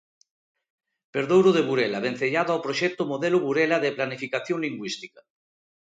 Perdouro de Burela, vencellada ao proxecto Modelo Burela de Planificación Lingüística.